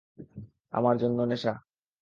আমার জন্য নেশা।